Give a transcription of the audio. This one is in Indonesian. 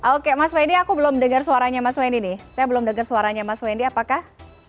oke mas wendy aku belum dengar suaranya mas wendy nih saya belum dengar suaranya mas wendy apakah